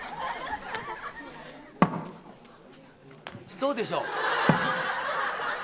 どうでしょう？